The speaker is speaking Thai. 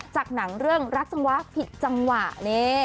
จากหนังเรื่องรัชวะผิดจังหวะนี่